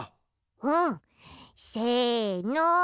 うん！せの。